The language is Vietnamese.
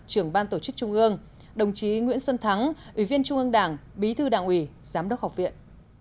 trưởng ban tổ chức trung ương đồng chí nguyễn xuân thắng ủy viên trung ương đảng bí thư đảng ủy giám đốc học viện